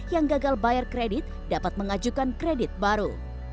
yang gagal bayar kredit dapat mengajukan kredit baru